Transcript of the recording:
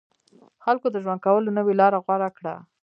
خلکو د ژوند کولو نوې لاره غوره کړه.